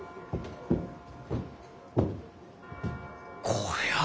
こりゃあ。